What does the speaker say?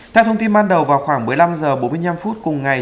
theo thông tin ban đầu vào khoảng một mươi năm h bốn mươi năm cùng ngày